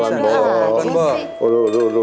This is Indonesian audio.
aduh aduh aduh